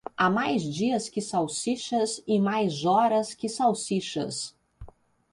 Há mais dias que salsichas e mais horas que salsichas.